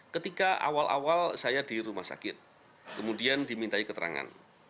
ketika awal awal saya di rumah sakit kemudian dimintai keterangan